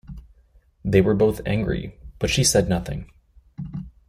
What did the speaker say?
They were both angry, but she said nothing.